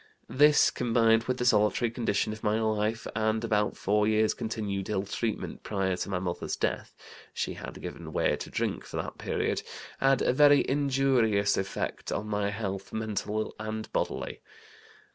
This, combined with the solitary condition of my life, and about four years' continued ill treatment prior to my mother's death (she had given way to drink for that period), had a very injurious effect on my health, mental and bodily.